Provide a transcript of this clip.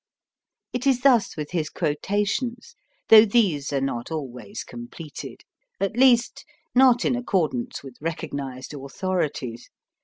It is thus with his quotations, though these are not always completed at least, not in accordance with recognised authorities.